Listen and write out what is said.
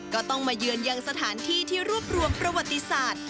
ก็ต้องมาเยือนยังสถานที่ที่รวบรวมประวัติศาสตร์